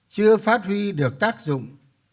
chưa phát huy được tác dụng